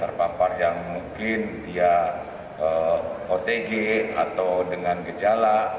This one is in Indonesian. karena yang terpampar mungkin dia otg atau dengan gejala